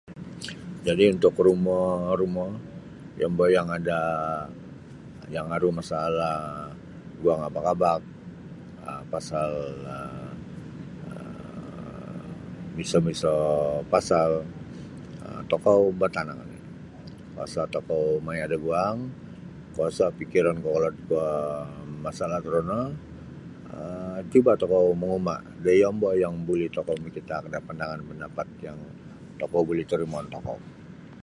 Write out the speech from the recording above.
Jadi untuk rumo-rumo yombo yang ada yang aru masalah guang abak-abak um pasal um miso-miso pasal um tokou batanang oni isa kuasa tokou maya da guang isa kuasa pikiron kokolod kuo masalah torono um cuba tokou manguma da yombo yang tokou buli mintaak da pandangan pandapat yang tokou buli torimoon tokou.